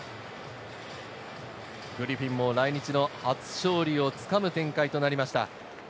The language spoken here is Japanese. グリフィンも来日の初勝利をつかむ展開となりました。